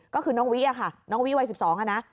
ก็คือน้องวิค่ะน้องวิวัย๑๒อ่ะนะ